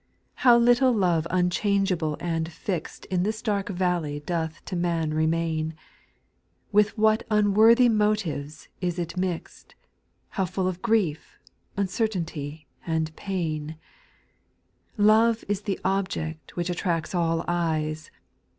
8. How little love unchangeable and fixed In this dark valley doth to man remain, With what unworthy motives is it mixed, How full of grief, uncertainty and pain ; Love is the object which attracts all eyes.